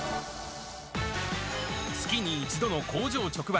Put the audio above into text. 月に１度の工場直売。